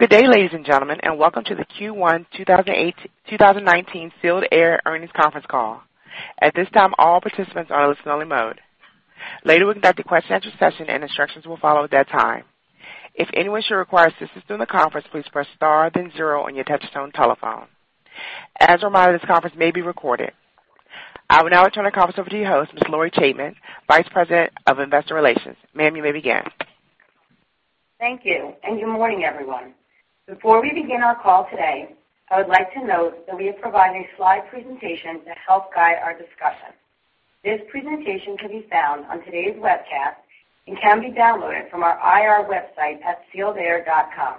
Good day, ladies and gentlemen, and welcome to the Q1 2019 Sealed Air Earnings Conference Call. At this time, all participants are in listen-only mode. Later, we'll conduct a question and answer session, and instructions will follow at that time. If anyone should require assistance during the conference, please press star then zero on your touchtone telephone. As a reminder, this conference may be recorded. I will now turn the conference over to your host, Ms. Lori Chaitman, Vice President of Investor Relations. Ma'am, you may begin. Thank you, and good morning, everyone. Before we begin our call today, I would like to note that we have provided a slide presentation to help guide our discussion. This presentation can be found on today's webcast and can be downloaded from our IR website at sealedair.com.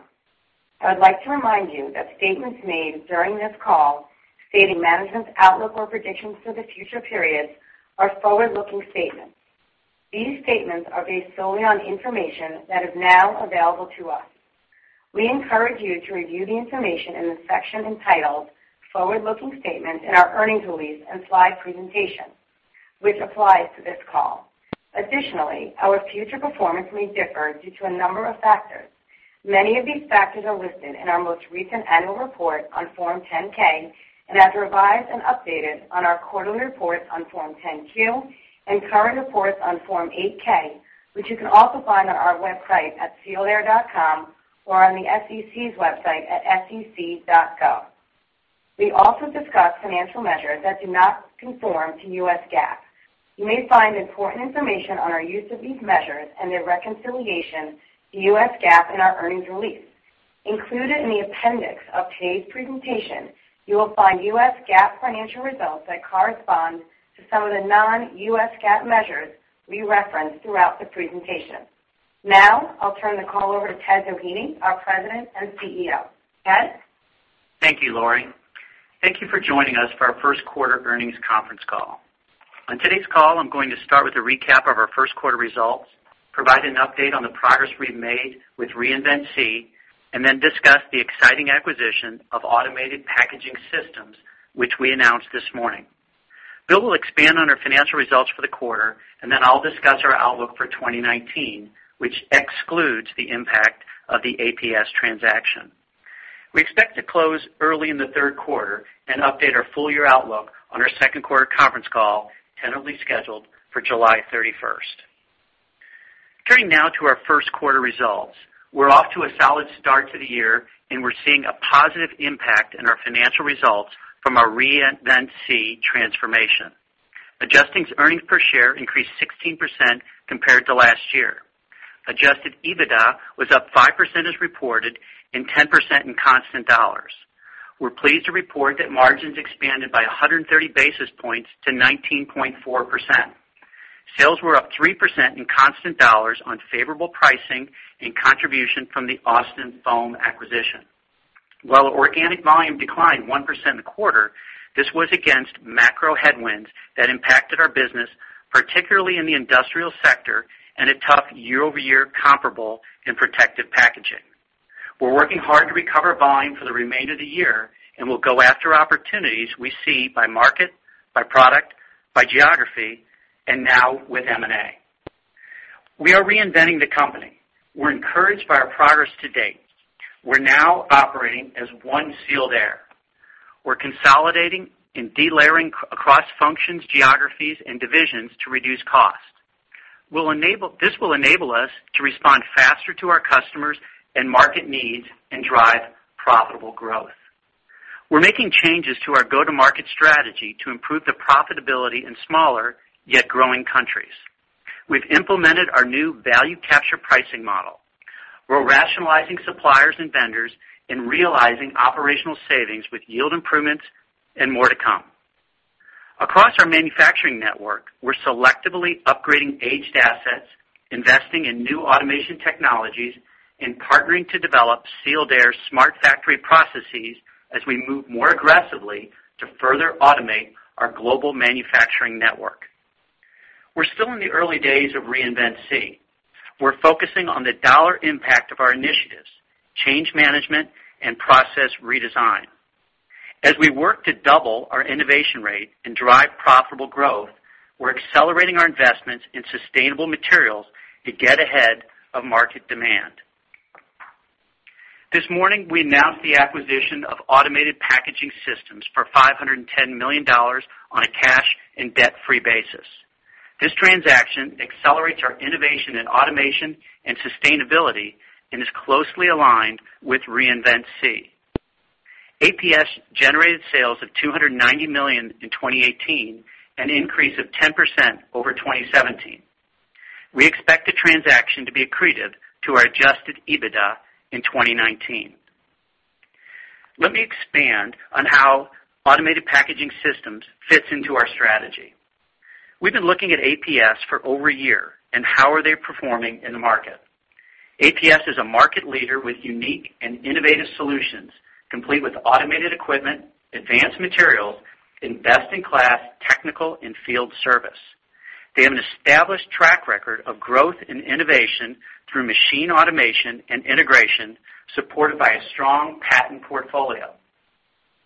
I would like to remind you that statements made during this call stating management's outlook or predictions for the future periods are forward-looking statements. These statements are based solely on information that is now available to us. We encourage you to review the information in the section entitled Forward-Looking Statements in our earnings release and slide presentation, which applies to this call. Our future performance may differ due to a number of factors. Many of these factors are listed in our most recent annual report on Form 10-K and as revised and updated on our quarterly reports on Form 10-Q and current reports on Form 8-K, which you can also find on our website at sealedair.com or on the SEC's website at sec.gov. We also discuss financial measures that do not conform to U.S. GAAP. You may find important information on our use of these measures and their reconciliation to U.S. GAAP in our earnings release. Included in the appendix of today's presentation, you will find U.S. GAAP financial results that correspond to some of the non-U.S. GAAP measures we reference throughout the presentation. I'll turn the call over to Ted Doheny, our President and CEO. Ted? Thank you, Lori. Thank you for joining us for our first quarter earnings conference call. On today's call, I'm going to start with a recap of our first quarter results, provide an update on the progress we've made with Reinvent SEE, and then discuss the exciting acquisition of Automated Packaging Systems, which we announced this morning. Bill will expand on our financial results for the quarter, and then I'll discuss our outlook for 2019, which excludes the impact of the APS transaction. We expect to close early in the third quarter and update our full-year outlook on our second quarter conference call, tentatively scheduled for July 31st. We're off to a solid start to the year, and we're seeing a positive impact in our financial results from our Reinvent SEE transformation. Adjusted earnings per share increased 16% compared to last year. Adjusted EBITDA was up 5% as reported and 10% in constant dollars. We're pleased to report that margins expanded by 130 basis points to 19.4%. Sales were up 3% in constant dollars on favorable pricing and contribution from the Austin Foam acquisition. While organic volume declined 1% in the quarter, this was against macro headwinds that impacted our business, particularly in the industrial sector, and a tough year-over-year comparable in protective packaging. We're working hard to recover volume for the remainder of the year, and we'll go after opportunities we see by market, by product, by geography, and now with M&A. We are reinventing the company. We're encouraged by our progress to date. We're now operating as one Sealed Air. We're consolidating and delayering across functions, geographies, and divisions to reduce costs. This will enable us to respond faster to our customers and market needs and drive profitable growth. We're making changes to our go-to-market strategy to improve the profitability in smaller yet growing countries. We've implemented our new value capture pricing model. We're rationalizing suppliers and vendors and realizing operational savings with yield improvements and more to come. Across our manufacturing network, we're selectively upgrading aged assets, investing in new automation technologies, and partnering to develop Sealed Air smart factory processes as we move more aggressively to further automate our global manufacturing network. We're still in the early days of Reinvent SEE. We're focusing on the dollar impact of our initiatives, change management, and process redesign. As we work to double our innovation rate and drive profitable growth, we're accelerating our investments in sustainable materials to get ahead of market demand. This morning, we announced the acquisition of Automated Packaging Systems for $510 million on a cash and debt-free basis. This transaction accelerates our innovation in automation and sustainability and is closely aligned with Reinvent SEE. APS generated sales of $290 million in 2018, an increase of 10% over 2017. We expect the transaction to be accretive to our adjusted EBITDA in 2019. Let me expand on how Automated Packaging Systems fits into our strategy. We've been looking at APS for over a year and how are they performing in the market. APS is a market leader with unique and innovative solutions, complete with automated equipment, advanced materials, and best-in-class technical and field service. They have an established track record of growth and innovation through machine automation and integration, supported by a strong patent portfolio.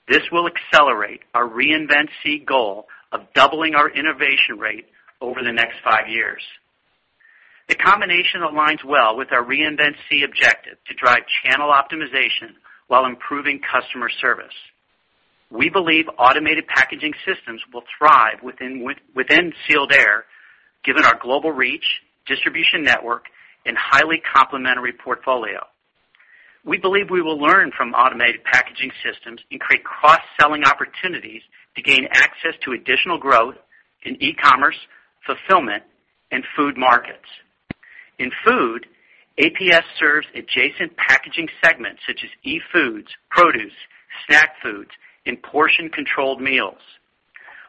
This will accelerate our Reinvent SEE goal of doubling our innovation rate over the next five years. The combination aligns well with our Reinvent SEE objective to drive channel optimization while improving customer service. We believe Automated Packaging Systems will thrive within Sealed Air given our global reach, distribution network, and highly complementary portfolio. We believe we will learn from Automated Packaging Systems and create cross-selling opportunities to gain access to additional growth in e-commerce, fulfillment, and food markets. In food, APS serves adjacent packaging segments such as e-foods, produce, snack foods, and portion-controlled meals.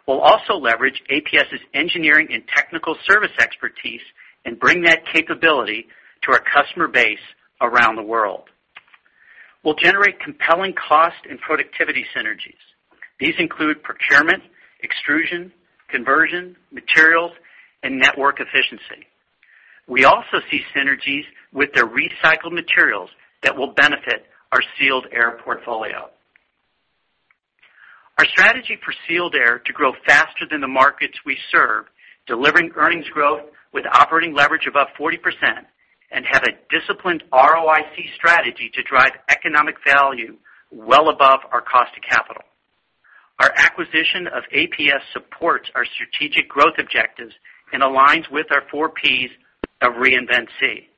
We'll also leverage APS's engineering and technical service expertise and bring that capability to our customer base around the world. We'll generate compelling cost and productivity synergies. These include procurement, extrusion, conversion, materials, and network efficiency. We also see synergies with their recycled materials that will benefit our Sealed Air portfolio. Our strategy for Sealed Air to grow faster than the markets we serve, delivering earnings growth with operating leverage above 40%, and have a disciplined ROIC strategy to drive economic value well above our cost of capital. Our acquisition of APS supports our strategic growth objectives and aligns with our four Ps of Reinvent SEE.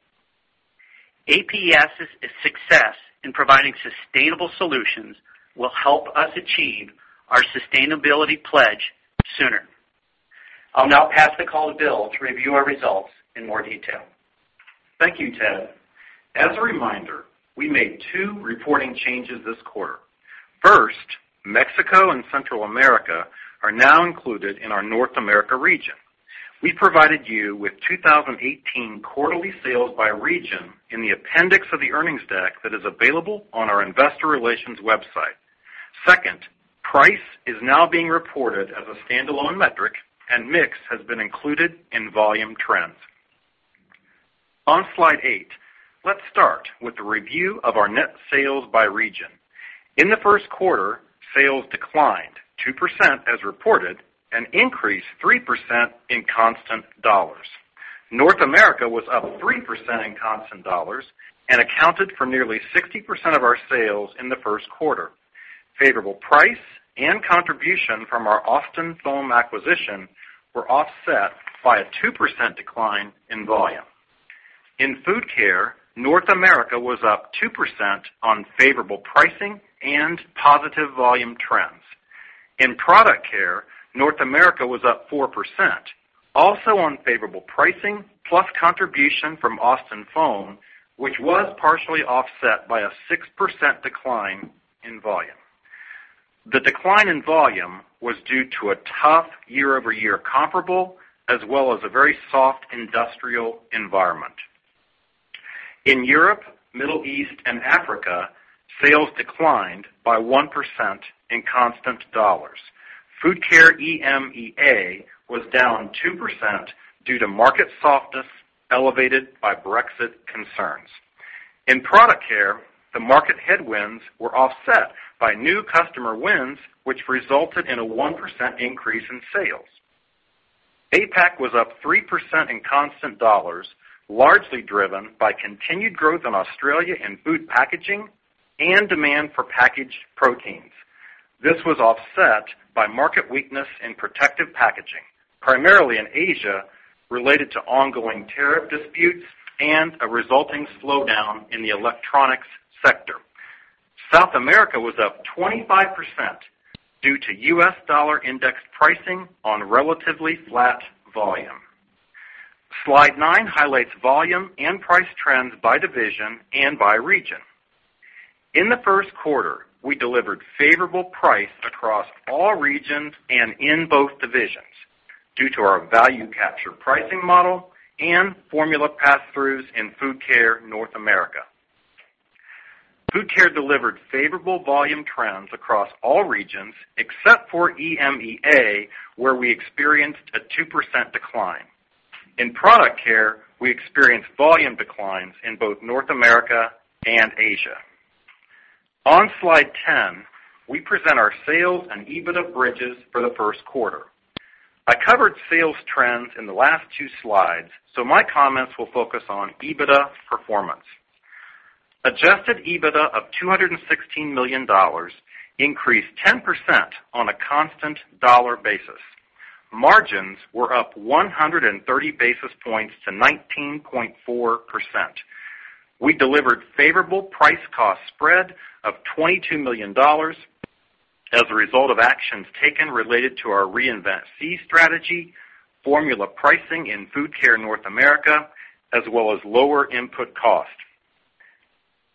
APS's success in providing sustainable solutions will help us achieve our sustainability pledge sooner. I'll now pass the call to Bill to review our results in more detail. Thank you, Ted. As a reminder, we made two reporting changes this quarter. First, Mexico and Central America are now included in our North America region. We provided you with 2018 quarterly sales by region in the appendix of the earnings deck that is available on our investor relations website. Second, price is now being reported as a standalone metric, and mix has been included in volume trends. On slide eight, let's start with the review of our net sales by region. In the first quarter, sales declined 2% as reported and increased 3% in constant dollars. North America was up 3% in constant dollars and accounted for nearly 60% of our sales in the first quarter. Favorable price and contribution from our Austin Foam acquisition were offset by a 2% decline in volume. In Food Care, North America was up 2% on favorable pricing and positive volume trends. In Product Care, North America was up 4%, also on favorable pricing, plus contribution from Austin Foam, which was partially offset by a 6% decline in volume. The decline in volume was due to a tough year-over-year comparable, as well as a very soft industrial environment. In Europe, Middle East, and Africa, sales declined by 1% in constant dollars. Food Care EMEA was down 2% due to market softness elevated by Brexit concerns. In Product Care, the market headwinds were offset by new customer wins, which resulted in a 1% increase in sales. APAC was up 3% in constant dollars, largely driven by continued growth in Australia in food packaging and demand for packaged proteins. This was offset by market weakness in protective packaging, primarily in Asia, related to ongoing tariff disputes and a resulting slowdown in the electronics sector. South America was up 25% due to U.S. dollar index pricing on relatively flat volume. Slide nine highlights volume and price trends by division and by region. In the first quarter, we delivered favorable price across all regions and in both divisions due to our value capture pricing model and formula pass-throughs in Food Care North America. Food Care delivered favorable volume trends across all regions except for EMEA, where we experienced a 2% decline. In Product Care, we experienced volume declines in both North America and Asia. On slide 10, we present our sales and EBITDA bridges for the first quarter. I covered sales trends in the last two slides, so my comments will focus on EBITDA performance. Adjusted EBITDA of $216 million increased 10% on a constant dollar basis. Margins were up 130 basis points to 19.4%. We delivered favorable price-cost spread of $22 million as a result of actions taken related to our Reinvent SEE strategy, formula pricing in Food Care North America, as well as lower input cost.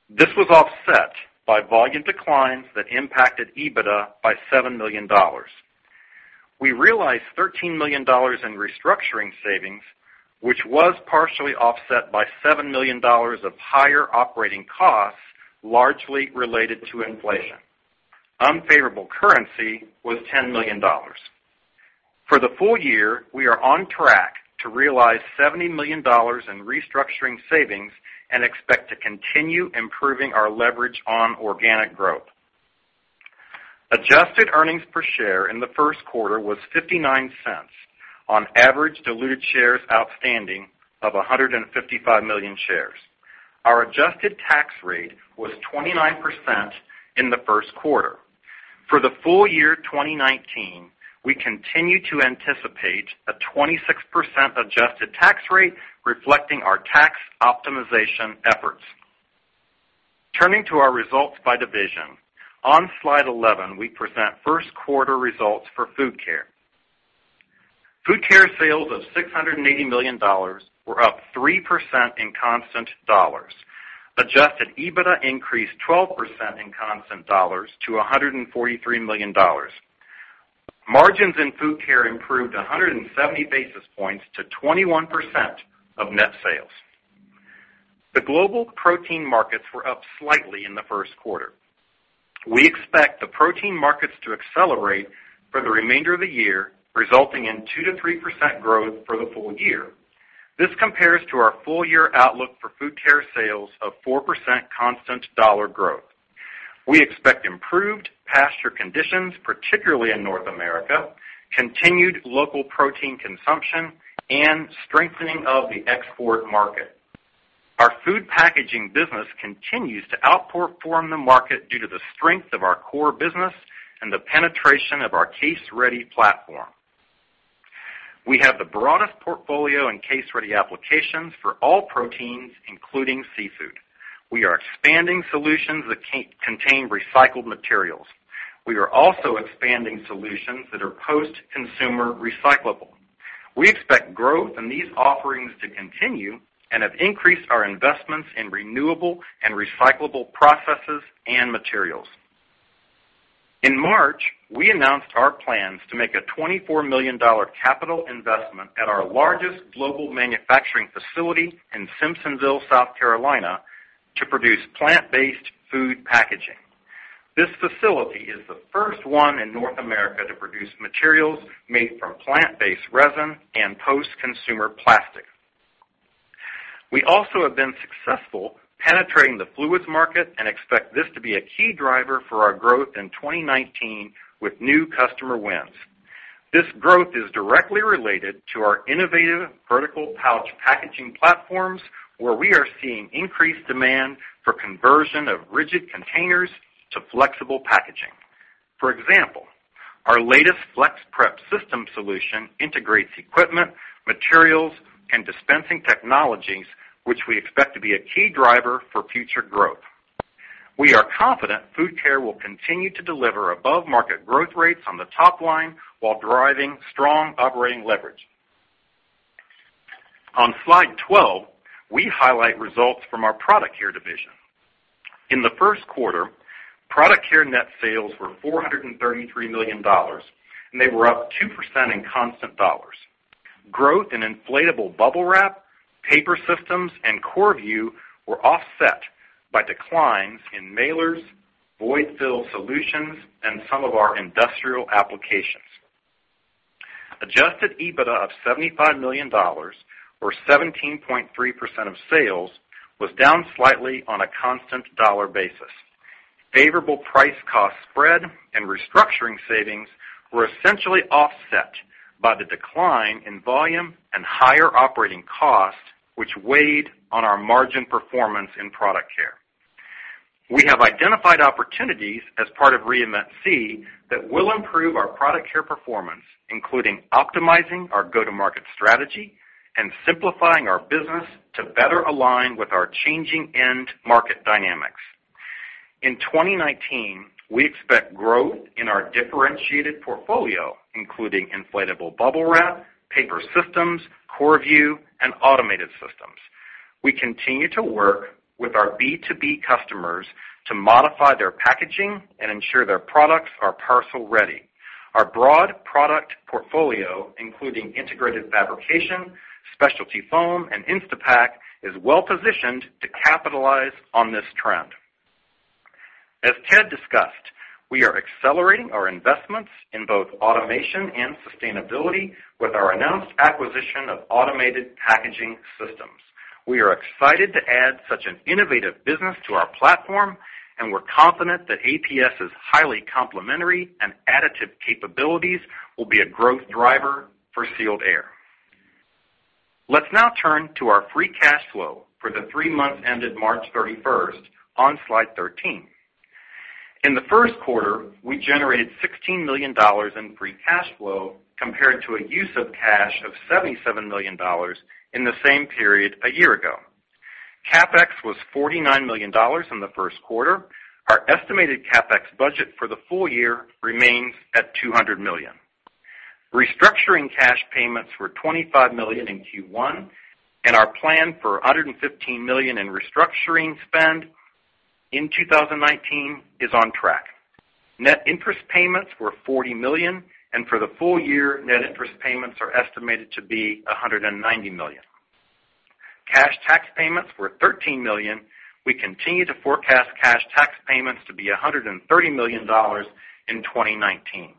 This was offset by volume declines that impacted EBITDA by $7 million. We realized $13 million in restructuring savings, which was partially offset by $7 million of higher operating costs, largely related to inflation. Unfavorable currency was $10 million. For the full year, we are on track to realize $70 million in restructuring savings and expect to continue improving our leverage on organic growth. Adjusted earnings per share in the first quarter was $0.59 on average diluted shares outstanding of 155 million shares. Our adjusted tax rate was 29% in the first quarter. For the full year 2019, we continue to anticipate a 26% adjusted tax rate reflecting our tax optimization efforts. Turning to our results by division. On slide 11, we present first quarter results for Food Care. Food Care sales of $680 million were up 3% in constant dollars. Adjusted EBITDA increased 12% in constant dollars to $143 million. Margins in Food Care improved 170 basis points to 21% of net sales. The global protein markets were up slightly in the first quarter. We expect the protein markets to accelerate for the remainder of the year, resulting in 2%-3% growth for the full year. This compares to our full-year outlook for Food Care sales of 4% constant dollar growth. We expect improved pasture conditions, particularly in North America, continued local protein consumption, and strengthening of the export market. Our food packaging business continues to outperform the market due to the strength of our core business and the penetration of our Case-Ready platform. We have the broadest portfolio in Case-Ready applications for all proteins, including seafood. We are expanding solutions that contain recycled materials. We are also expanding solutions that are post-consumer recyclable. We expect growth in these offerings to continue and have increased our investments in renewable and recyclable processes and materials. In March, we announced our plans to make a $24 million capital investment at our largest global manufacturing facility in Simpsonville, South Carolina, to produce plant-based food packaging. This facility is the first one in North America to produce materials made from plant-based resin and post-consumer plastic. We also have been successful penetrating the fluids market and expect this to be a key driver for our growth in 2019 with new customer wins. This growth is directly related to our innovative vertical pouch packaging platforms, where we are seeing increased demand for conversion of rigid containers to flexible packaging. For example, our latest FlexPrep system solution integrates equipment, materials, and dispensing technologies, which we expect to be a key driver for future growth. We are confident Food Care will continue to deliver above-market growth rates on the top line while driving strong operating leverage. On slide 12, we highlight results from our Product Care division. In the first quarter, Product Care net sales were $433 million, and they were up 2% in constant dollars. Growth in inflatable BUBBLE WRAP, paper systems, and CoreView were offset by declines in mailers, void fill solutions, and some of our industrial applications. Adjusted EBITDA of $75 million, or 17.3% of sales, was down slightly on a constant dollar basis. Favorable price-cost spread and restructuring savings were essentially offset by the decline in volume and higher operating costs, which weighed on our margin performance in Product Care. We have identified opportunities as part of Reinvent SEE that will improve our Product Care performance, including optimizing our go-to-market strategy and simplifying our business to better align with our changing end market dynamics. In 2019, we expect growth in our differentiated portfolio, including inflatable BUBBLE WRAP, paper systems, CoreView, and automated systems. We continue to work with our B2B customers to modify their packaging and ensure their products are parcel-ready. Our broad product portfolio, including integrated fabrication, specialty foam, and Instapak, is well-positioned to capitalize on this trend. As Ted discussed, we are accelerating our investments in both automation and sustainability with our announced acquisition of Automated Packaging Systems. We are excited to add such an innovative business to our platform, and we're confident that APS's highly complementary and additive capabilities will be a growth driver for Sealed Air. Let's now turn to our free cash flow for the three months ended March 31st on slide 13. In the first quarter, we generated $16 million in free cash flow compared to a use of cash of $77 million in the same period a year ago. CapEx was $49 million in the first quarter. Our estimated CapEx budget for the full year remains at $200 million. Restructuring cash payments were $25 million in Q1, and our plan for $115 million in restructuring spend in 2019 is on track. Net interest payments were $40 million, and for the full year, net interest payments are estimated to be $190 million. Cash tax payments were $13 million. We continue to forecast cash tax payments to be $130 million in 2019.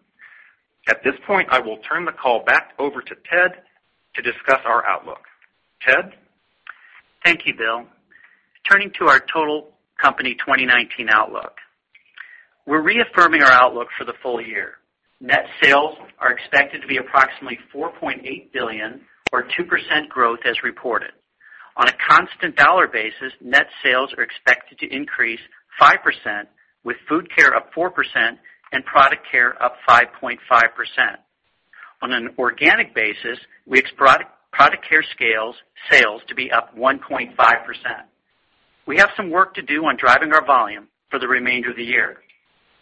At this point, I will turn the call back over to Ted to discuss our outlook. Ted? Thank you, Bill. Turning to our total company 2019 outlook. We're reaffirming our outlook for the full year. Net sales are expected to be approximately $4.8 billion, or 2% growth as reported. On a constant dollar basis, net sales are expected to increase 5%, with Food Care up 4% and Product Care up 5.5%. On an organic basis, we expect Product Care sales to be up 1.5%. We have some work to do on driving our volume for the remainder of the year.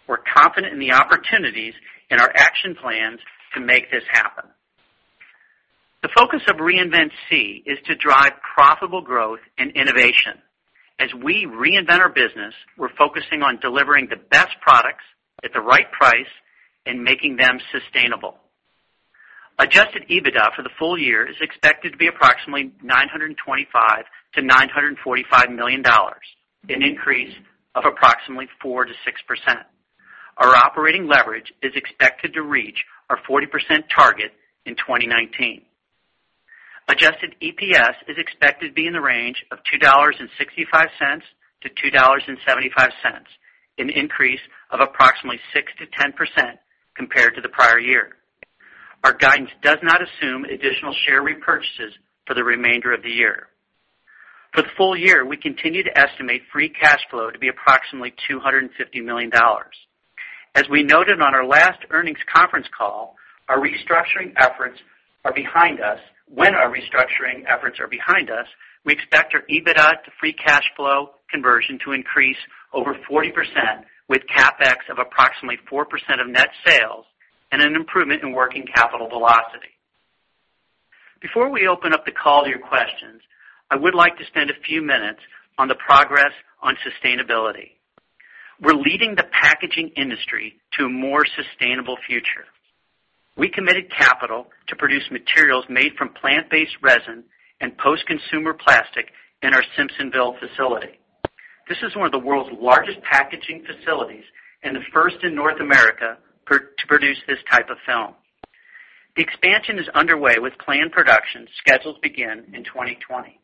We're confident in the opportunities and our action plans to make this happen. The focus of Reinvent SEE is to drive profitable growth and innovation. As we reinvent our business, we're focusing on delivering the best products at the right price and making them sustainable. Adjusted EBITDA for the full year is expected to be approximately $925 million-$945 million, an increase of approximately 4%-6%. Our operating leverage is expected to reach our 40% target in 2019. Adjusted EPS is expected to be in the range of $2.65-$2.75, an increase of approximately 6%-10% compared to the prior year. Our guidance does not assume additional share repurchases for the remainder of the year. For the full year, we continue to estimate free cash flow to be approximately $250 million. As we noted on our last earnings conference call, when our restructuring efforts are behind us, we expect our EBITDA to free cash flow conversion to increase over 40% with CapEx of approximately 4% of net sales and an improvement in working capital velocity. Before we open up the call to your questions, I would like to spend a few minutes on the progress on sustainability. We're leading the packaging industry to a more sustainable future. We committed capital to produce materials made from plant-based resin and post-consumer plastic in our Simpsonville facility. This is one of the world's largest packaging facilities and the first in North America to produce this type of film. The expansion is underway with planned production scheduled to begin in 2020.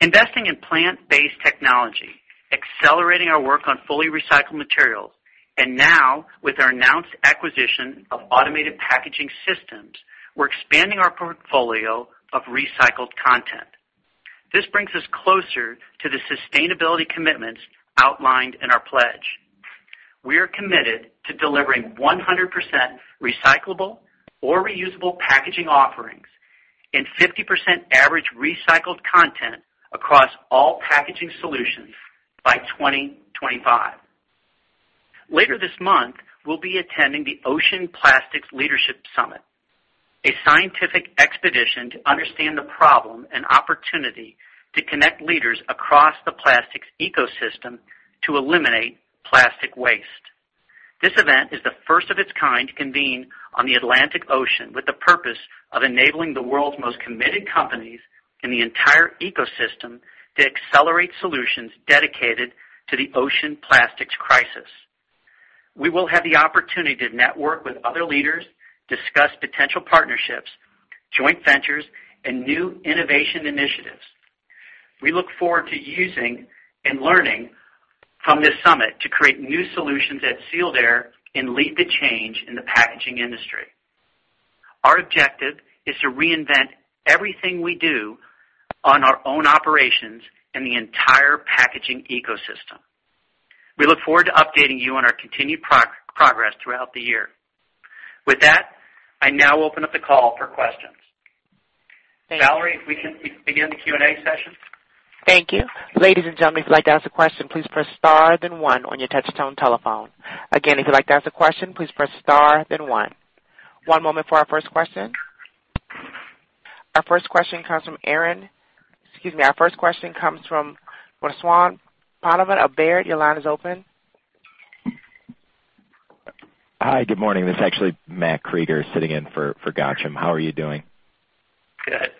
Investing in plant-based technology, accelerating our work on fully recycled materials, and now with our announced acquisition of Automated Packaging Systems, we're expanding our portfolio of recycled content. This brings us closer to the sustainability commitments outlined in our pledge. We are committed to delivering 100% recyclable or reusable packaging offerings and 50% average recycled content across all packaging solutions by 2025. Later this month, we'll be attending the Ocean Plastics Leadership Summit, a scientific expedition to understand the problem and opportunity to connect leaders across the plastics ecosystem to eliminate plastic waste. This event is the first of its kind to convene on the Atlantic Ocean with the purpose of enabling the world's most committed companies in the entire ecosystem to accelerate solutions dedicated to the ocean plastics crisis. We will have the opportunity to network with other leaders, discuss potential partnerships, joint ventures, and new innovation initiatives. We look forward to using and learning from this summit to create new solutions at Sealed Air and lead the change in the packaging industry. Our objective is to reinvent everything we do on our own operations and the entire packaging ecosystem. We look forward to updating you on our continued progress throughout the year. With that, I now open up the call for questions. Valerie, if we can begin the Q&A session. Thank you. Ladies and gentlemen, if you'd like to ask a question, please press star then one on your touch-tone telephone. Again, if you'd like to ask a question, please press star then one. One moment for our first question. Our first question comes from Ghansham Panjabi of Baird. Your line is open. Hi. Good morning. This is actually Matthew Krueger sitting in for Ghansham. How are you doing? Good.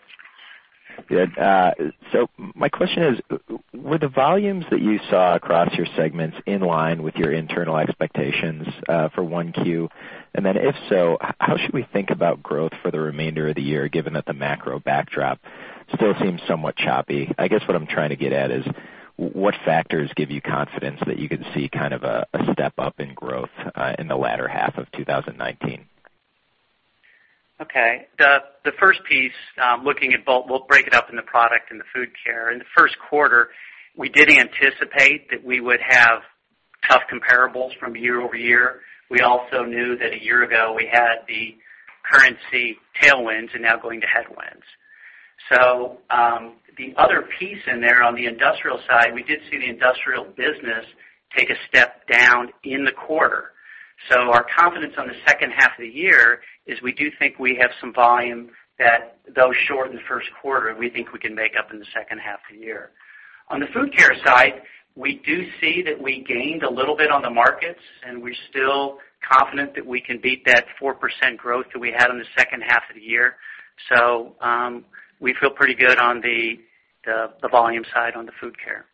My question is, were the volumes that you saw across your segments in line with your internal expectations for 1Q? If so, how should we think about growth for the remainder of the year, given that the macro backdrop still seems somewhat choppy? I guess what I'm trying to get at is what factors give you confidence that you can see kind of a step-up in growth in the latter half of 2019? Okay. The first piece, we'll break it up into Product Care and the Food Care. In the first quarter, we did anticipate that we would have tough comparables from year-over-year. We also knew that a year ago, we had the currency tailwinds and now going to headwinds. The other piece in there on the industrial side, we did see the industrial business take a step down in the quarter. Our confidence on the second half of the year is we do think we have some volume that though short in the first quarter, we think we can make up in the second half of the year. On the Food Care side, we do see that we gained a little bit on the markets, and we're still confident that we can beat that 4% growth that we had on the second half of the year. We feel pretty good on the volume side on the Food Care.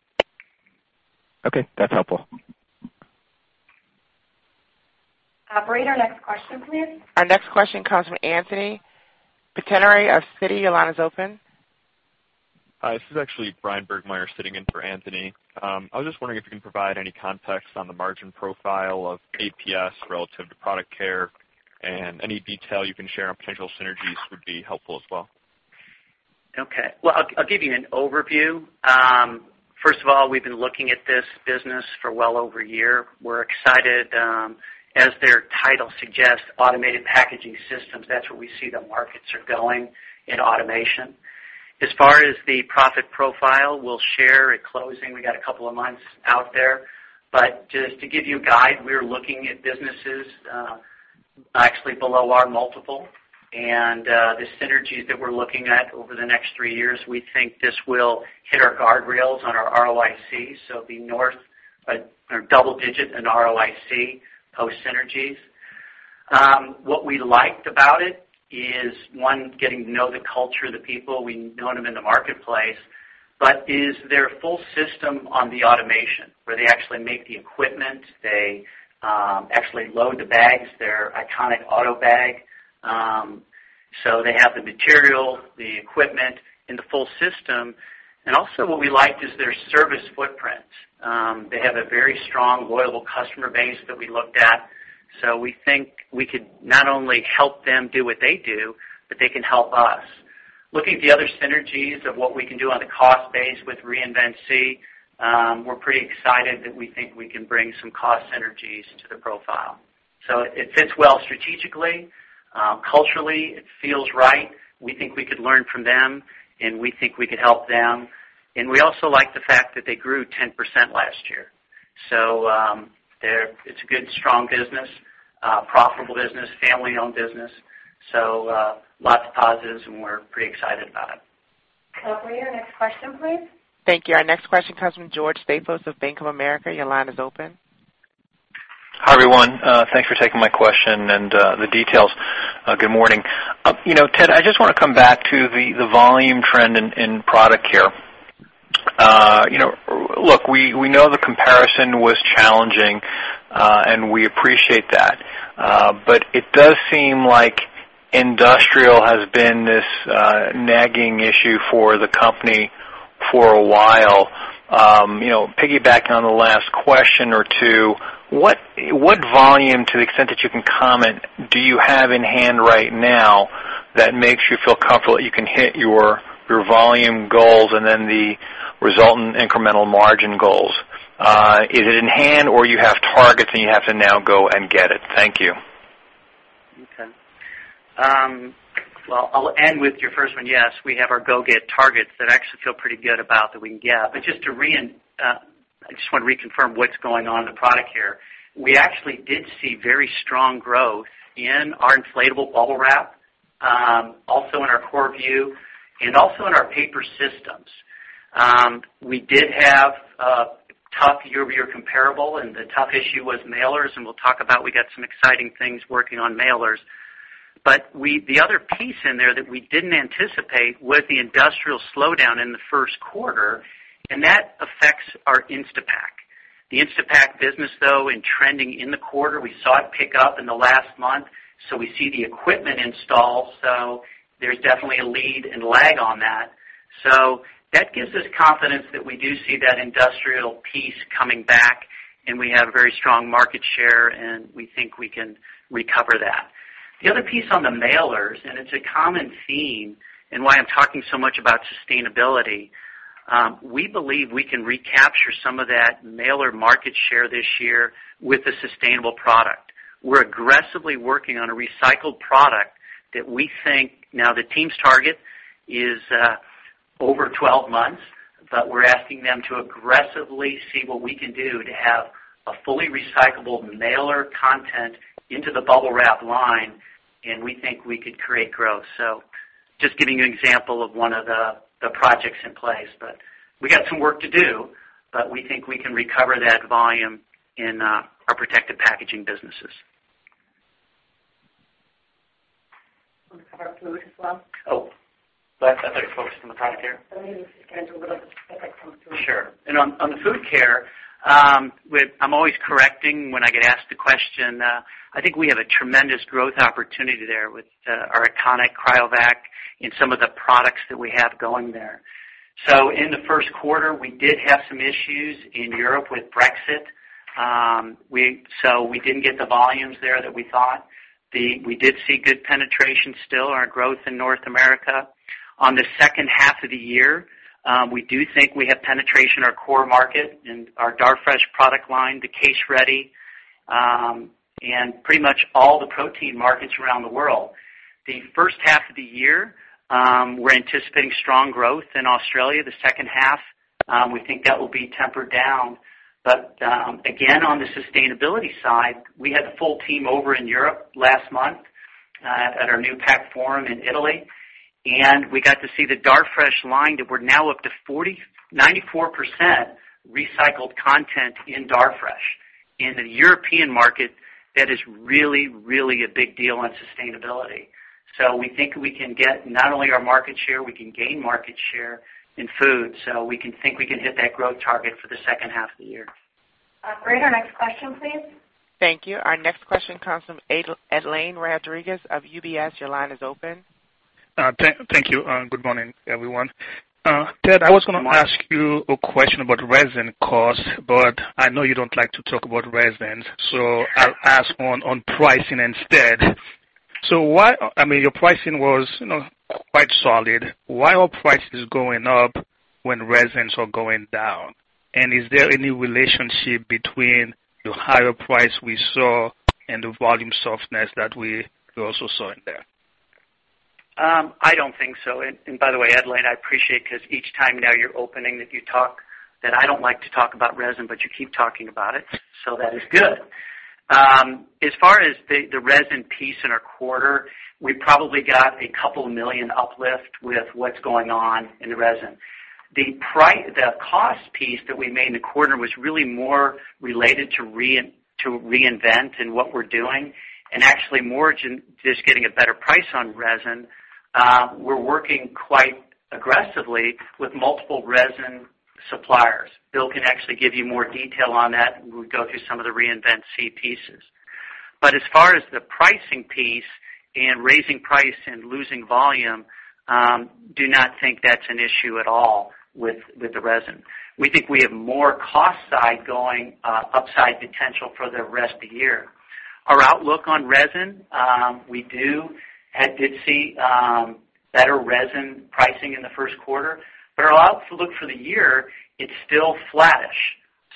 Okay. That's helpful. Operator, next question please. Our next question comes from Anthony Pettinari of Citigroup. Your line is open. Hi, this is actually Brian Bergmeyer sitting in for Anthony. I was just wondering if you can provide any context on the margin profile of APS relative to Product Care, and any detail you can share on potential synergies would be helpful as well. Okay. Well, I'll give you an overview. First of all, we've been looking at this business for well over a year. We're excited. As their title suggests, Automated Packaging Systems, that's where we see the markets are going in automation. As far as the profit profile, we'll share at closing. We got a couple of months out there. Just to give you a guide, we're looking at businesses, actually below our multiple. The synergies that we're looking at over the next three years, we think this will hit our guardrails on our ROIC, so it'd be north or double digit in ROIC post-synergies. What we liked about it is, one, getting to know the culture, the people. We've known them in the marketplace. Is their full system on the automation, where they actually make the equipment, they actually load the bags, their iconic Autobag. They have the material, the equipment, and the full system. Also what we liked is their service footprint. They have a very strong, loyal customer base that we looked at. We think we could not only help them do what they do, but they can help us. Looking at the other synergies of what we can do on the cost base with Reinvent SEE, we're pretty excited that we think we can bring some cost synergies to the profile. It fits well strategically. Culturally, it feels right. We think we could learn from them, and we think we could help them. We also like the fact that they grew 10% last year. It's a good, strong business, profitable business, family-owned business. Lots of positives, and we're pretty excited about it. Operator, next question please. Thank you. Our next question comes from George Staphos of Bank of America. Your line is open. Hi everyone. Thanks for taking my question and the details. Good morning. Ted, I just want to come back to the volume trend in Product Care. Look, we know the comparison was challenging, and we appreciate that. It does seem like industrial has been this nagging issue for the company for a while. Piggybacking on the last question or two, what volume, to the extent that you can comment, do you have in hand right now that makes you feel comfortable that you can hit your volume goals and then the resultant incremental margin goals? Is it in hand or you have targets and you have to now go and get it? Thank you. Okay. Well, I'll end with your first one. Yes, we have our go get targets that I actually feel pretty good about that we can get. I just want to reconfirm what's going on in the Product Care. We actually did see very strong growth in our inflatable BUBBLE WRAP, also in our CoreView, and also in our paper systems. We did have a tough year-over-year comparable, and the tough issue was mailers, and we'll talk about, we got some exciting things working on mailers. The other piece in there that we didn't anticipate was the industrial slowdown in the first quarter, and that affects our Instapak. The Instapak business though, in trending in the quarter, we saw it pick up in the last month. We see the equipment install. There's definitely a lead and lag on that. That gives us confidence that we do see that industrial piece coming back, and we have a very strong market share, and we think we can recover that. The other piece on the mailers, and it's a common theme in why I'm talking so much about sustainability, we believe we can recapture some of that mailer market share this year with a sustainable product. We're aggressively working on a recycled product that we think. Now, the team's target is over 12 months, but we're asking them to aggressively see what we can do to have a fully recyclable mailer content into the BUBBLE WRAP line, and we think we could create growth. Just giving you an example of one of the projects in place. We got some work to do, but we think we can recover that volume in our protected packaging businesses. Want to cover Food as well? I thought it focused on the Product Care. Let me just schedule it as a separate point. Sure. On the Food Care, I'm always correcting when I get asked the question. I think we have a tremendous growth opportunity there with our iconic CRYOVAC and some of the products that we have going there. In the first quarter, we did have some issues in Europe with Brexit. We didn't get the volumes there that we thought. We did see good penetration still, our growth in North America. On the second half of the year, we do think we have penetration in our core market in our Darfresh product line, the Case-Ready, and pretty much all the protein markets around the world. The first half of the year, we're anticipating strong growth in Australia. The second half, we think that will be tempered down. Again, on the sustainability side, we had the full team over in Europe last month at our new Packforum in Italy. We got to see the Darfresh line, that we're now up to 94% recycled content in Darfresh. In the European market, that is really, really a big deal on sustainability. We think we can get not only our market share, we can gain market share in food, we can think we can hit that growth target for the second half of the year. Operator, next question please. Thank you. Our next question comes from Edlain Rodriguez of UBS. Your line is open. Thank you. Good morning, everyone. Ted, I was going to ask you a question about resin cost, but I know you don't like to talk about resin, I'll ask on pricing instead. Your pricing was quite solid. Why are prices going up when resins are going down? Is there any relationship between the higher price we saw and the volume softness that we also saw in there? I don't think so. By the way, Edlain, I appreciate because each time now you're opening that you talk that I don't like to talk about resin, but you keep talking about it, that is good. As far as the resin piece in our quarter, we probably got a couple million uplift with what's going on in the resin. The cost piece that we made in the quarter was really more related to Reinvent and what we're doing, and actually more to just getting a better price on resin. We're working quite aggressively with multiple resin suppliers. Bill can actually give you more detail on that when we go through some of the Reinvent SEE pieces. As far as the pricing piece and raising price and losing volume, do not think that's an issue at all with the resin. We think we have more cost side going upside potential for the rest of the year. Our outlook on resin, we did see better resin pricing in the first quarter, but our outlook for the year, it's still flattish.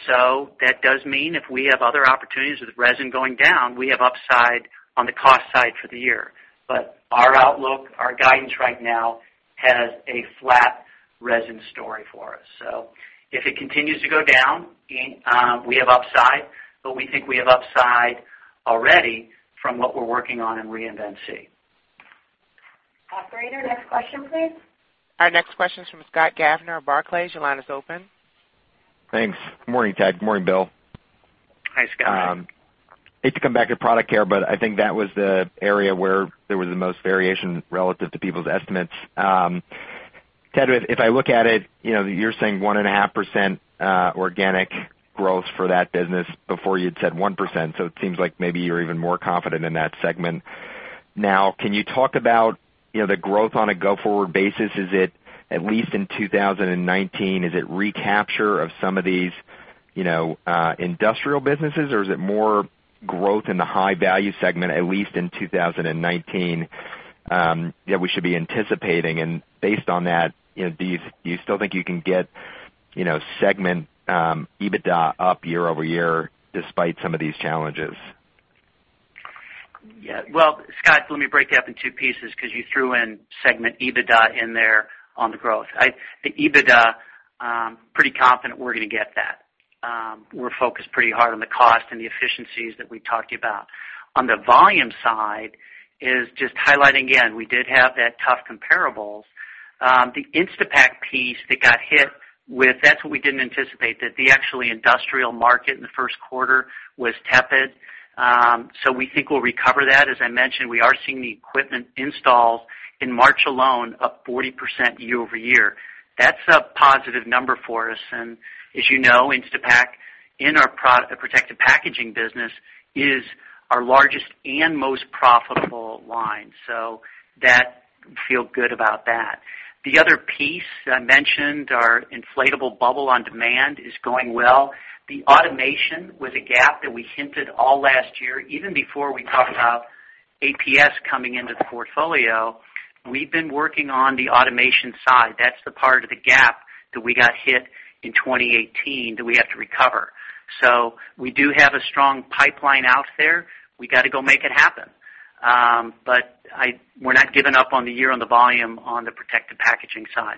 That does mean if we have other opportunities with resin going down, we have upside on the cost side for the year. Our outlook, our guidance right now has a flat resin story for us. If it continues to go down, we have upside, but we think we have upside already from what we're working on in Reinvent SEE. Operator, next question, please. Our next question is from Scott Gaffner of Barclays. Your line is open. Thanks. Good morning, Ted. Good morning, Bill. Hi, Scott. I hate to come back to Product Care, but I think that was the area where there was the most variation relative to people's estimates. Ted, if I look at it, you're saying 1.5% organic growth for that business. Before you'd said 1%, it seems like maybe you're even more confident in that segment now. Can you talk about the growth on a go-forward basis? Is it at least in 2019, is it recapture of some of these industrial businesses, or is it more growth in the high-value segment, at least in 2019, that we should be anticipating? Based on that, do you still think you can get segment EBITDA up year-over-year despite some of these challenges? Well, Scott, let me break that up in two pieces because you threw in segment EBITDA in there on the growth. The EBITDA, pretty confident we're going to get that. We're focused pretty hard on the cost and the efficiencies that we talked to you about. On the volume side is just highlighting again, we did have that tough comparables. The Instapak piece that got hit with, that's what we didn't anticipate, that the actually industrial market in the first quarter was tepid. We think we'll recover that. As I mentioned, we are seeing the equipment installs in March alone up 40% year-over-year. That's a positive number for us. As you know, Instapak in our protected packaging business is our largest and most profitable line. Feel good about that. The other piece I mentioned, our inflatable bubble on demand is going well. The automation was a gap that we hinted all last year, even before we talked about APS coming into the portfolio. We've been working on the automation side. That's the part of the gap that we got hit in 2018 that we have to recover. We do have a strong pipeline out there. We got to go make it happen. We're not giving up on the year on the volume on the protected packaging side.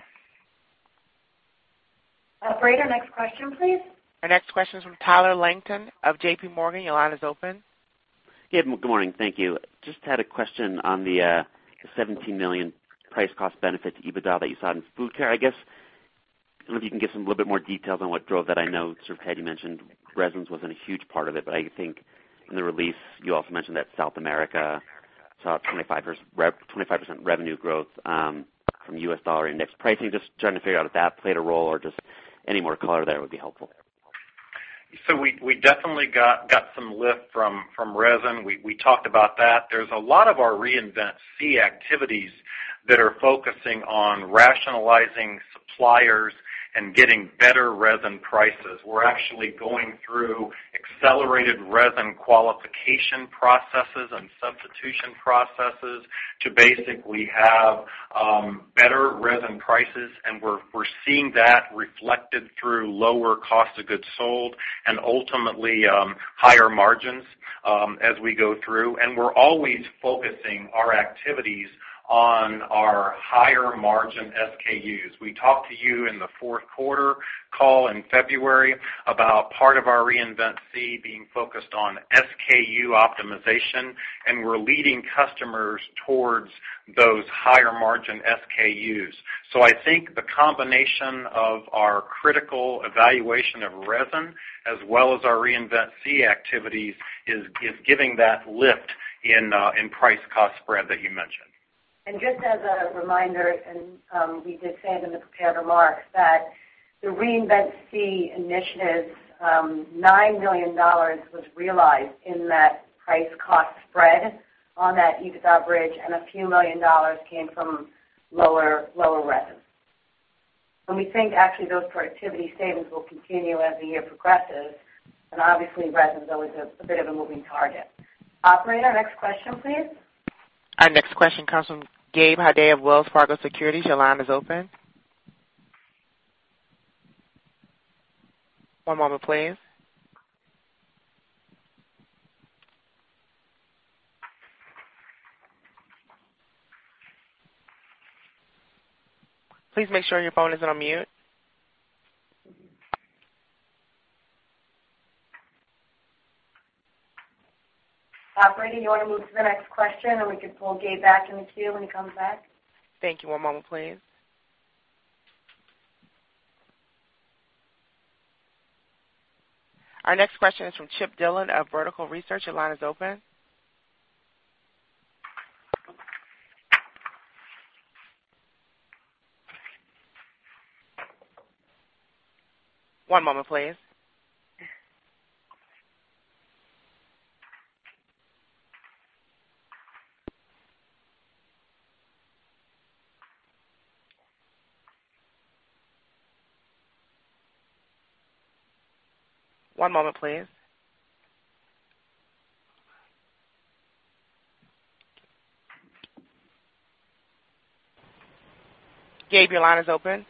Operator, next question, please. Our next question is from Tyler Langton of J.P. Morgan. Your line is open. Yeah, good morning. Thank you. Just had a question on the $17 million price cost benefit to EBITDA that you saw in Food Care. I guess, I don't know if you can give some a little bit more details on what drove that. I know sort of Ted mentioned resins wasn't a huge part of it, I think in the release, you also mentioned that South America saw a 25% revenue growth from U.S. dollar indexed pricing. Just trying to figure out if that played a role or just any more color there would be helpful. We definitely got some lift from resin. We talked about that. There's a lot of our Reinvent SEE activities that are focusing on rationalizing suppliers and getting better resin prices. We're actually going through accelerated resin qualification processes and substitution processes to basically have better resin prices, we're seeing that reflected through lower cost of goods sold and ultimately higher margins as we go through. We're always focusing our activities on our higher margin SKUs. We talked to you in the fourth quarter call in February about part of our Reinvent SEE being focused on SKU optimization, we're leading customers towards those higher margin SKUs. I think the combination of our critical evaluation of resin as well as our Reinvent SEE activities is giving that lift in price cost spread. Just as a reminder, we did say it in the prepared remarks, that the Reinvent SEE initiatives, $9 million was realized in that price cost spread on that EBITDA bridge, a few million dollars came from lower resin. We think actually those productivity savings will continue as the year progresses, obviously, resin's always a bit of a moving target. Operator, next question, please. Our next question comes from Gabe Hajde of Wells Fargo Securities. Your line is open. One moment, please. Please make sure your phone isn't on mute. Operator, you want to move to the next question, and we could pull Gabe back in the queue when he comes back? Thank you. One moment, please. Our next question is from Chip Dillon of Vertical Research. Your line is open. One moment, please. One moment, please. Gabe, your line is open.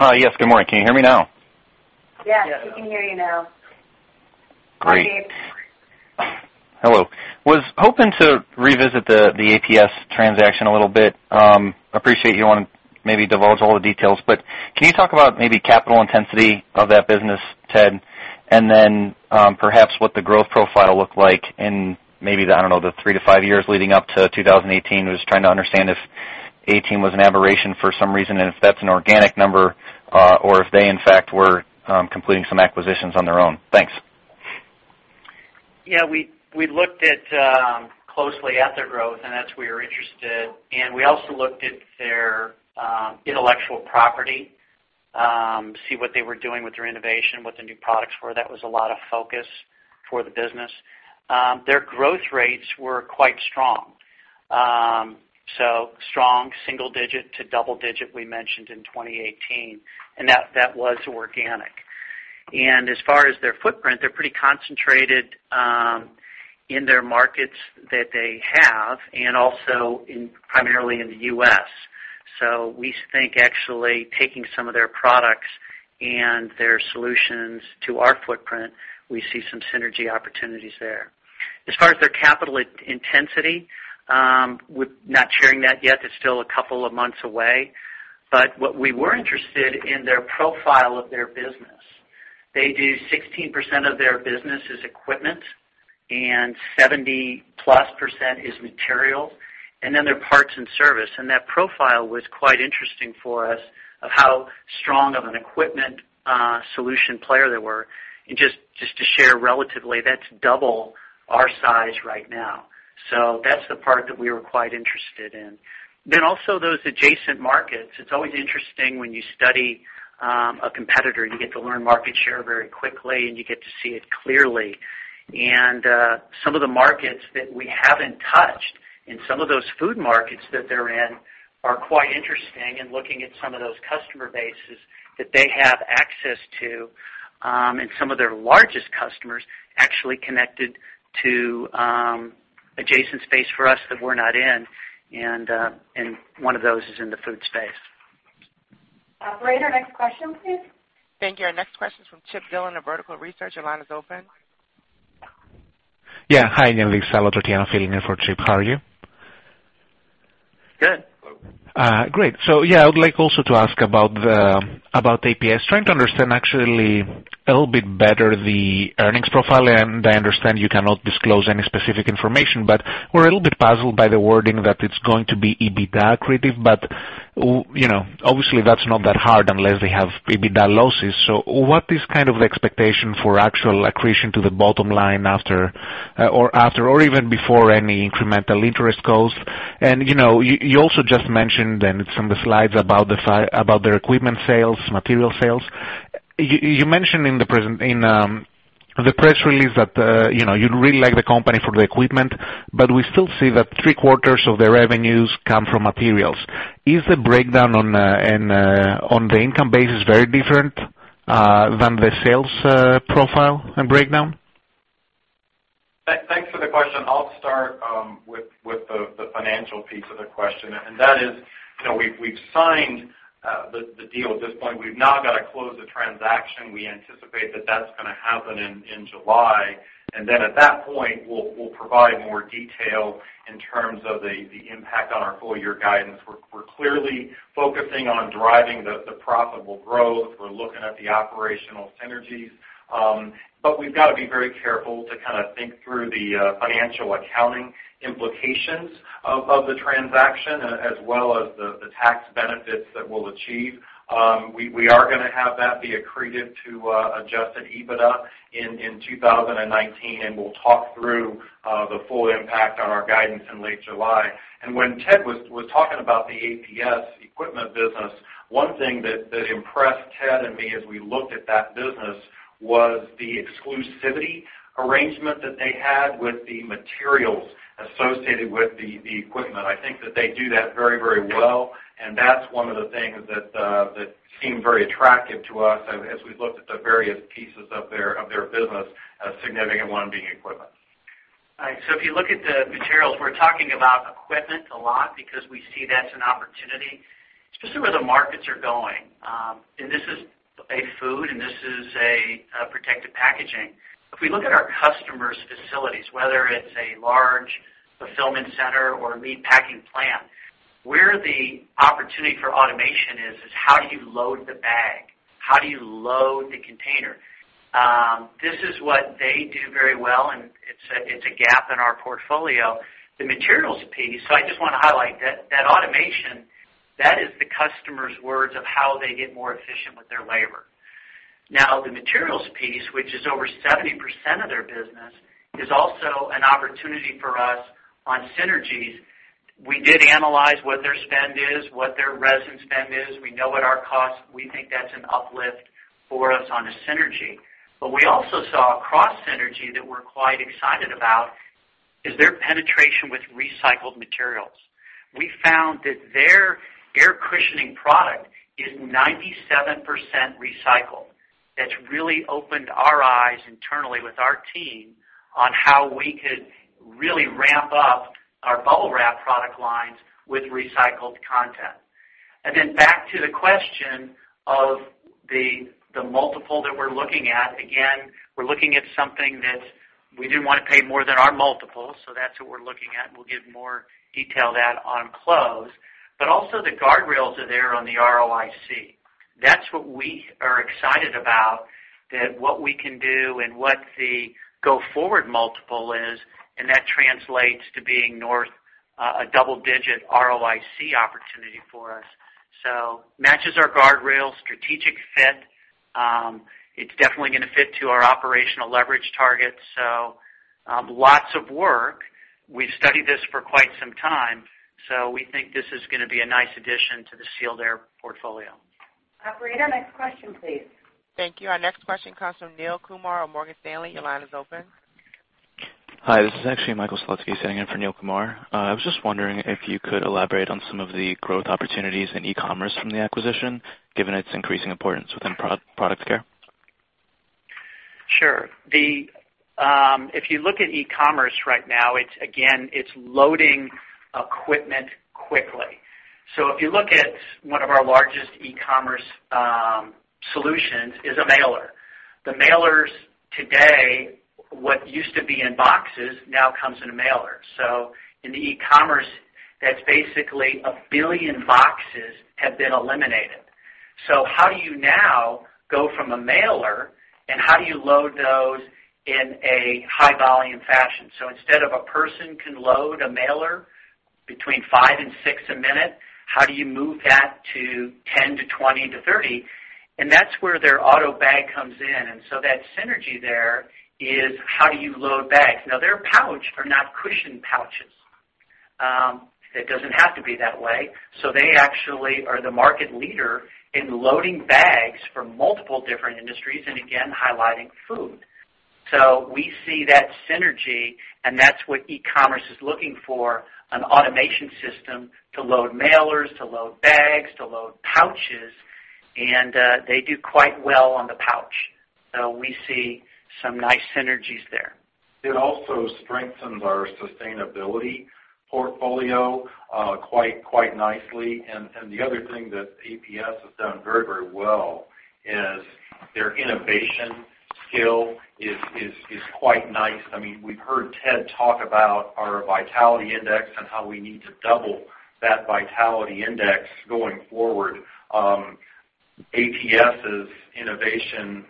Yes, good morning. Can you hear me now? Yes, we can hear you now. Great. Hi, Gabe. Hello. Was hoping to revisit the APS transaction a little bit. Appreciate you won't maybe divulge all the details, but can you talk about maybe capital intensity of that business, Ted, and then perhaps what the growth profile looked like in maybe the, I don't know, the three to five years leading up to 2018? Was trying to understand if 2018 was an aberration for some reason, and if that's an organic number, or if they, in fact, were completing some acquisitions on their own. Thanks. We looked closely at their growth, and that's where we were interested. We also looked at their intellectual property, see what they were doing with their innovation, what the new products were. That was a lot of focus for the business. Their growth rates were quite strong. Strong single digit to double digit we mentioned in 2018, and that was organic. As far as their footprint, they're pretty concentrated in their markets that they have and also primarily in the U.S. We think actually taking some of their products and their solutions to our footprint, we see some synergy opportunities there. As far as their capital intensity, we're not sharing that yet. It's still a couple of months away. What we were interested in their profile of their business. They do 16% of their business is equipment and 70-plus% is material, and then their parts and service. That profile was quite interesting for us of how strong of an equipment solution player they were. Just to share relatively, that's double our size right now. That's the part that we were quite interested in. Also those adjacent markets. It's always interesting when you study a competitor, and you get to learn market share very quickly, and you get to see it clearly. Some of the markets that we haven't touched and some of those food markets that they're in are quite interesting in looking at some of those customer bases that they have access to. Some of their largest customers actually connected to adjacent space for us that we're not in, and one of those is in the food space. Operator, next question, please. Thank you. Our next question is from Chip Dillon of Vertical Research. Your line is open. Yeah. Hi. This is Salvator Tiano filling in for Chip. How are you? Good. Great. Yeah, I would like also to ask about APS. Trying to understand actually a little bit better the earnings profile, I understand you cannot disclose any specific information, but we're a little bit puzzled by the wording that it's going to be EBITDA accretive. Obviously, that's not that hard unless they have EBITDA losses. What is kind of the expectation for actual accretion to the bottom line after or even before any incremental interest cost? You also just mentioned, and it's on the slides about their equipment sales, material sales. You mentioned in the press release that you really like the company for the equipment, but we still see that three-quarters of the revenues come from materials. Is the breakdown on the income basis very different than the sales profile and breakdown? Thanks for the question. I'll start with the financial piece of the question, and that is We've signed the deal at this point. We've now got to close the transaction. We anticipate that that's going to happen in July. Then at that point, we'll provide more detail in terms of the impact on our full-year guidance. We're clearly focusing on driving the profitable growth. We're looking at the operational synergies. We've got to be very careful to think through the financial accounting implications of the transaction as well as the tax benefits that we'll achieve. We are going to have that be accretive to adjusted EBITDA in 2019, we'll talk through the full impact on our guidance in late July. When Ted was talking about the APS equipment business, one thing that impressed Ted and me as we looked at that business was the exclusivity arrangement that they had with the materials associated with the equipment. I think that they do that very well, that's one of the things that seemed very attractive to us as we looked at the various pieces of their business, a significant one being equipment. If you look at the materials, we're talking about equipment a lot because we see that's an opportunity, especially where the markets are going. This is a food, and this is a protective packaging. If we look at our customers' facilities, whether it's a large fulfillment center or meat packing plant, where the opportunity for automation is how do you load the bag? How do you load the container? This is what they do very well, and it's a gap in our portfolio. The materials piece. I just want to highlight that that automation, that is the customer's words of how they get more efficient with their labor. The materials piece, which is over 70% of their business, is also an opportunity for us on synergies. We did analyze what their spend is, what their resin spend is. We know what our costs. We think that's an uplift for us on a synergy. We also saw a cross-synergy that we're quite excited about, is their penetration with recycled materials. We found that their air cushioning product is 97% recycled. That's really opened our eyes internally with our team on how we could really ramp up our BUBBLE WRAP product lines with recycled content. Back to the question of the multiple that we're looking at. Again, we're looking at something that we didn't want to pay more than our multiple. That's what we're looking at, and we'll give more detail on that on close. Also the guardrails are there on the ROIC. That's what we are excited about, that what we can do and what the go-forward multiple is, and that translates to being north a double-digit ROIC opportunity for us. Matches our guardrail, strategic fit. It's definitely going to fit to our operational leverage targets. Lots of work. We've studied this for quite some time. We think this is going to be a nice addition to the Sealed Air portfolio. Operator, next question, please. Thank you. Our next question comes from Neil Kumar of Morgan Stanley. Your line is open. Hi, this is actually Michael Slutsky sitting in for Neil Kumar. I was just wondering if you could elaborate on some of the growth opportunities in e-commerce from the acquisition, given its increasing importance within Product Care. Sure. If you look at e-commerce right now, again, it's loading equipment quickly. If you look at one of our largest e-commerce solutions is a mailer. The mailers today, what used to be in boxes now comes in a mailer. In the e-commerce, that's basically 1 billion boxes have been eliminated. How do you now go from a mailer, and how do you load those in a high-volume fashion? Instead of a person can load a mailer between five and six a minute, how do you move that to 10 to 20 to 30? That's where their Autobag comes in. That synergy there is how do you load bags? Their pouch are not cushioned pouches. It doesn't have to be that way. They actually are the market leader in loading bags for multiple different industries, and again, highlighting food. We see that synergy, and that's what e-commerce is looking for, an automation system to load mailers, to load bags, to load pouches, and they do quite well on the pouch. We see some nice synergies there. It also strengthens our sustainability portfolio quite nicely. The other thing that APS has done very well is their innovation skill is quite nice. We've heard Ted talk about our vitality index and how we need to double that vitality index going forward. APS's innovation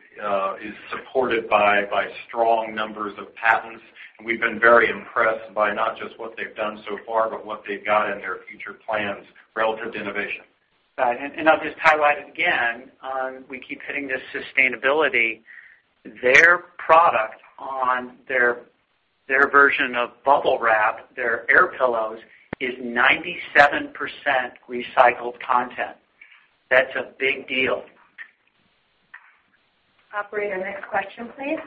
is supported by strong numbers of patents, and we've been very impressed by not just what they've done so far, but what they've got in their future plans relative to innovation. Got it. I'll just highlight again, we keep hitting this sustainability. Their product on their version of BUBBLE WRAP, their air pillows, is 97% recycled content. That's a big deal. Operator, next question, please.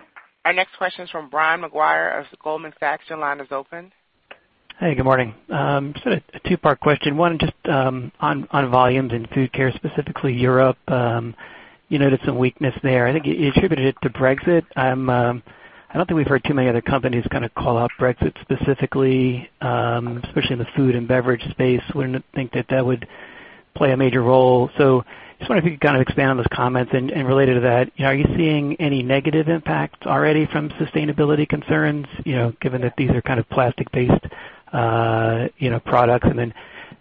Our next question is from Brian Maguire of Goldman Sachs. Your line is open. Hey, good morning. Just sort of a two-part question. One, just on volumes in Food Care, specifically Europe. You noted some weakness there. I think you attributed it to Brexit. I don't think we've heard too many other companies call out Brexit specifically, especially in the food and beverage space. Wouldn't think that that would play a major role. Just wonder if you could expand on those comments. Related to that, are you seeing any negative impacts already from sustainability concerns, given that these are plastic-based products?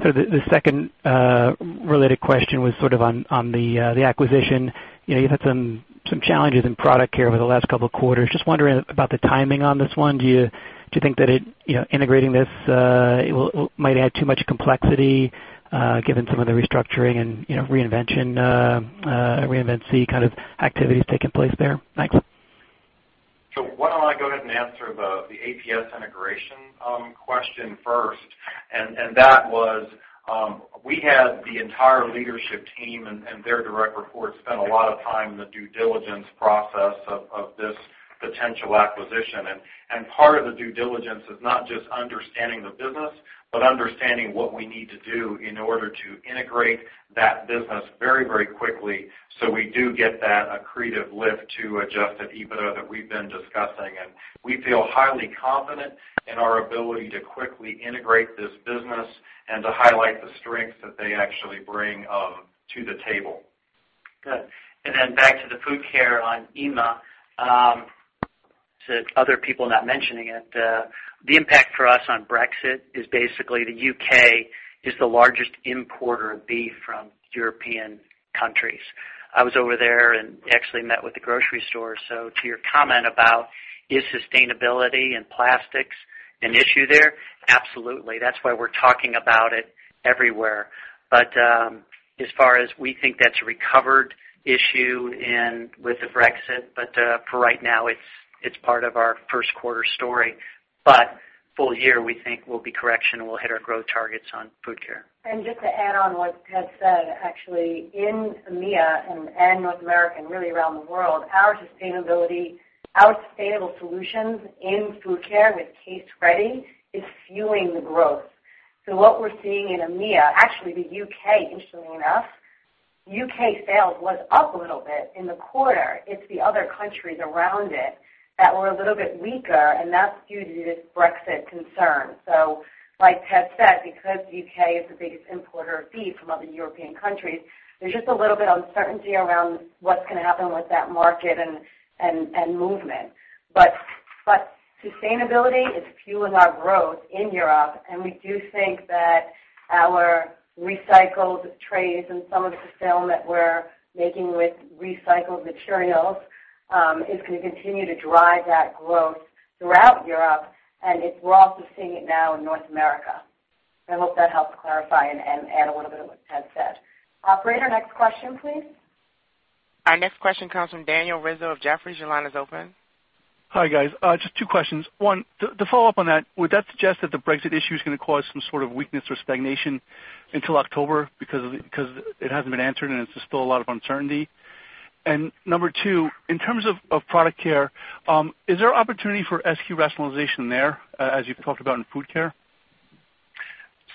The second related question was sort of on the acquisition. You've had some challenges in Product Care over the last couple of quarters. Just wondering about the timing on this one. Do you think that integrating this might add too much complexity, given some of the restructuring and Reinvent SEE kind of activities taking place there? Thanks. Why don't I go ahead and answer the APS integration question first. That was, we had the entire leadership team, and their direct reports spent a lot of time in the due diligence process of this potential acquisition. Part of the due diligence is not just understanding the business, but understanding what we need to do in order to integrate that business very quickly so we do get that accretive lift to adjusted EBITDA that we've been discussing. We feel highly confident in our ability to quickly integrate this business and to highlight the strengths that they actually bring to the table. Good. Back to the Food Care on EMEA, to other people not mentioning it, the impact for us on Brexit is basically the U.K. is the largest importer of beef from European countries. I was over there and actually met with the grocery stores. To your comment about, is sustainability and plastics an issue there? Absolutely. That's why we're talking about it everywhere. As far as we think that's a recovered issue and with the Brexit, for right now, it's part of our first quarter story. Full year, we think we'll be correction and we'll hit our growth targets on Food Care. Just to add on what Ted said, actually, in EMEA and North America, really around the world, our sustainability, our sustainable solutions in Food Care with Case-Ready is fueling the growth. What we're seeing in EMEA, actually the U.K., interestingly enough, U.K. sales was up a little bit in the quarter. It's the other countries around it that were a little bit weaker, and that's due to this Brexit concern. Like Ted said, because U.K. is the biggest importer of beef from other European countries, there's just a little bit of uncertainty around what's going to happen with that market and movement. Sustainability is fueling our growth in Europe, and we do think that our recycled trays and some of the film that we're making with recycled materials, is going to continue to drive that growth throughout Europe and we're also seeing it now in North America. I hope that helps clarify and add a little bit of what Ted said. Operator, next question please. Our next question comes from Daniel Rizzo of Jefferies. Your line is open. Hi, guys. Just two questions. One, to follow up on that, would that suggest that the Brexit issue is going to cause some sort of weakness or stagnation until October because it hasn't been answered and there's still a lot of uncertainty? Number two, in terms of Product Care, is there opportunity for SKU rationalization there, as you've talked about in Food Care?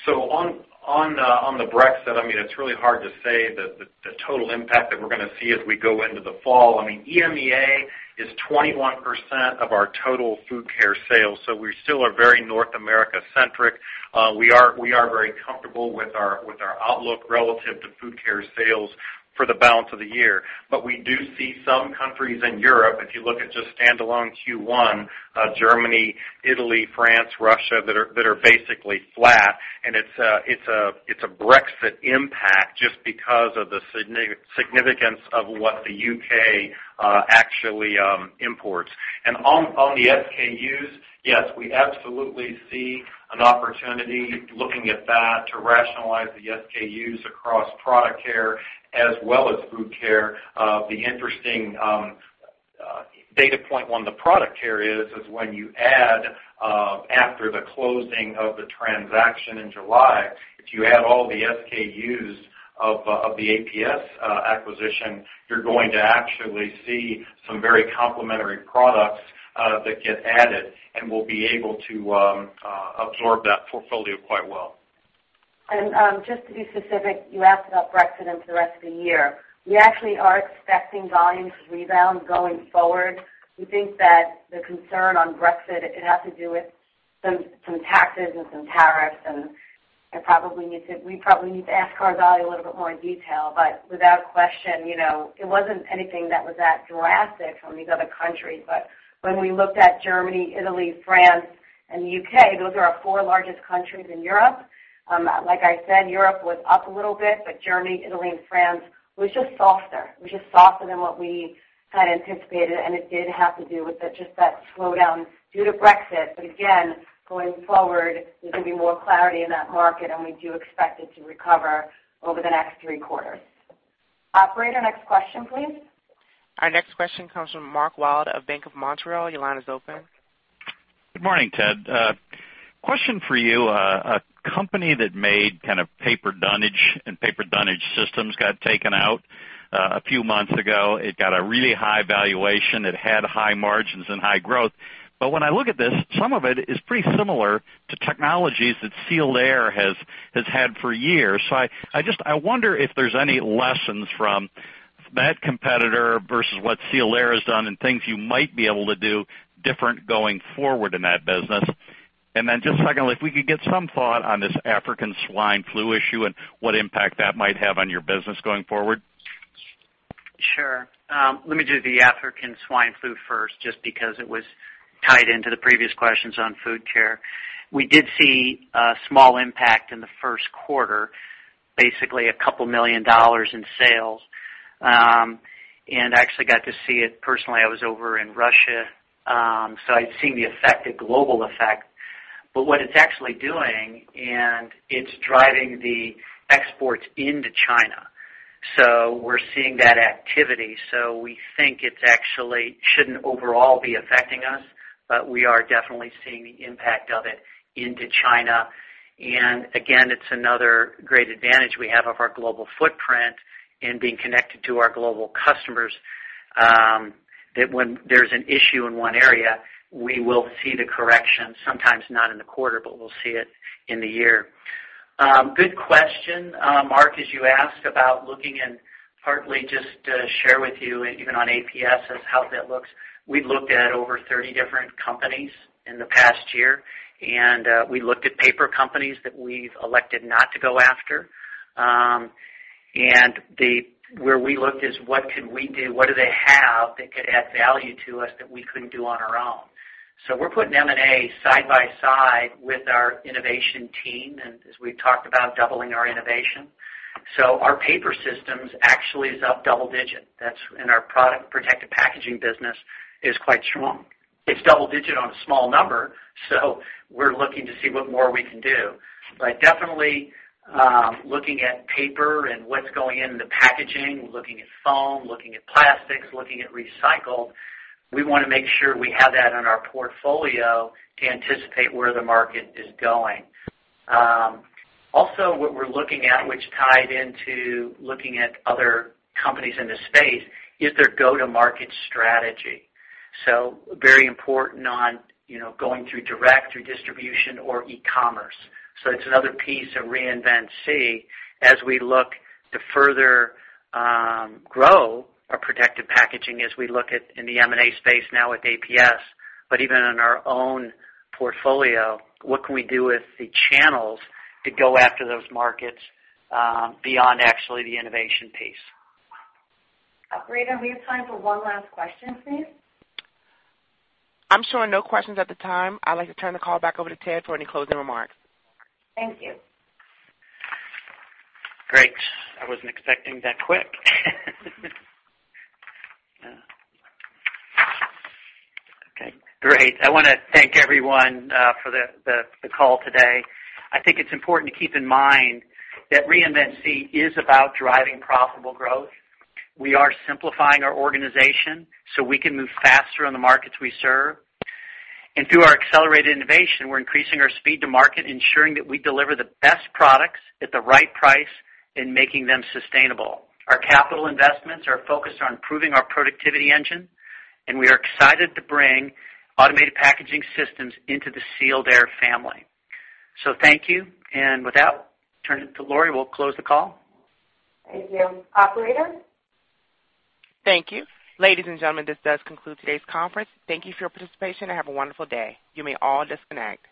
On the Brexit, it's really hard to say the total impact that we're going to see as we go into the fall. EMEA is 21% of our total Food Care sales, so we still are very North America centric. We are very comfortable with our outlook relative to Food Care sales for the balance of the year. We do see some countries in Europe, if you look at just standalone Q1, Germany, Italy, France, Russia, that are basically flat, and it's a Brexit impact just because of the significance of what the U.K. actually imports. On the SKUs, yes, we absolutely see an opportunity looking at that to rationalize the SKUs across Product Care as well as Food Care. The interesting data point on the Product Care is when you add, after the closing of the transaction in July, if you add all the SKUs of the APS acquisition, you're going to actually see some very complementary products that get added and will be able to absorb that portfolio quite well. Just to be specific, you asked about Brexit and for the rest of the year. We actually are expecting volumes to rebound going forward. We think that the concern on Brexit, it had to do with some taxes and some tariffs, and we probably need to ask Card Value a little bit more in detail. Without question, it wasn't anything that was that drastic from these other countries. When we looked at Germany, Italy, France, and the U.K., those are our four largest countries in Europe. Like I said, Europe was up a little bit, but Germany, Italy, and France was just softer. Was just softer than what we had anticipated, and it did have to do with just that slowdown due to Brexit. Again, going forward, there's going to be more clarity in that market, and we do expect it to recover over the next three quarters. Operator, next question please. Our next question comes from Mark Wilde of Bank of Montreal. Your line is open. Good morning, Ted. Question for you. A company that made paper dunnage and paper dunnage systems got taken out a few months ago. It got a really high valuation. It had high margins and high growth. When I look at this, some of it is pretty similar to technologies that Sealed Air has had for years. I wonder if there's any lessons from that competitor versus what Sealed Air has done and things you might be able to do different going forward in that business. Just secondly, if we could get some thought on this African swine fever issue and what impact that might have on your business going forward. Sure. Let me do the African swine fever first, just because it was tied into the previous questions on Food Care. We did see a small impact in the first quarter, basically a couple million dollars in sales. I actually got to see it personally. I was over in Russia, so I'd seen the effect, the global effect. What it's actually doing, and it's driving the exports into China. We're seeing that activity. We think it actually shouldn't overall be affecting us, but we are definitely seeing the impact of it into China. Again, it's another great advantage we have of our global footprint in being connected to our global customers, that when there's an issue in one area, we will see the correction, sometimes not in the quarter, but we'll see it in the year. Good question, Mark, as you ask about looking and partly just to share with you, even on APS, as how that looks. We've looked at over 30 different companies in the past year, and we looked at paper companies that we've elected not to go after. Where we looked is what could we do? What do they have that could add value to us that we couldn't do on our own? We're putting M&A side by side with our innovation team, and as we've talked about doubling our innovation. Our paper systems actually is up double digit. That's in our product protective packaging business is quite strong. It's double digit on a small number, so we're looking to see what more we can do. Definitely, looking at paper and what's going into packaging, we're looking at foam, looking at plastics, looking at recycled. We want to make sure we have that in our portfolio to anticipate where the market is going. Also, what we're looking at, which tied into looking at other companies in the space, is their go-to-market strategy. Very important on going through direct, through distribution or e-commerce. It's another piece of Reinvent SEE as we look to further grow our protective packaging as we look at in the M&A space now with APS. Even in our own portfolio, what can we do with the channels to go after those markets beyond actually the innovation piece? Operator, we have time for one last question, please. I'm showing no questions at the time. I'd like to turn the call back over to Ted for any closing remarks. Thank you. Great. I wasn't expecting that quick. Okay, great. I want to thank everyone for the call today. I think it's important to keep in mind that Reinvent SEE is about driving profitable growth. We are simplifying our organization so we can move faster in the markets we serve. Through our accelerated innovation, we're increasing our speed to market, ensuring that we deliver the best products at the right price and making them sustainable. Our capital investments are focused on improving our productivity engine, and we are excited to bring Automated Packaging Systems into the Sealed Air family. Thank you. With that, turn it to Lori. We'll close the call. Thank you. Operator? Thank you. Ladies and gentlemen, this does conclude today's conference. Thank you for your participation and have a wonderful day. You may all disconnect.